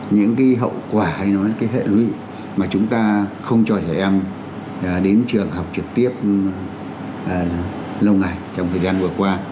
những cái hậu quả hay nói là cái hệ lụy mà chúng ta không cho trẻ em đến trường học trực tiếp lâu ngày trong thời gian vừa qua